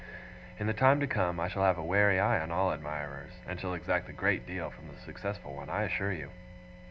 In the time to come, I shall have a wary eye on all admirers; and shall exact a great deal from the successful one, I assure you.